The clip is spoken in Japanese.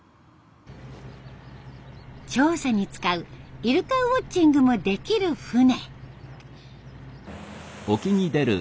調査に使うイルカウオッチングもできる船。